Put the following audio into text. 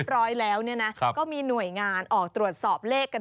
บรรณาชาวนักบ้าน